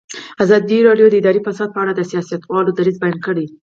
ازادي راډیو د اداري فساد په اړه د سیاستوالو دریځ بیان کړی.